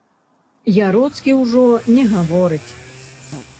Яроцкі ўжо не гаворыць.